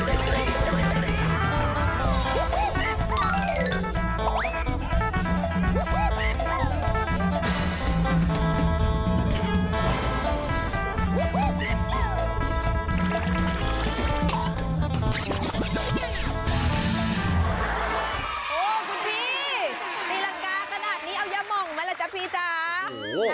ธีรังกาขนาดนี้เอาย้ำมองไหมล่ะจ๊ะพี่จ๋า